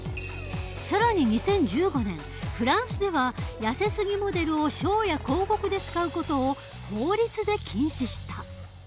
更に２０１５年フランスではやせすぎモデルをショーや広告で使う事を法律で禁止した。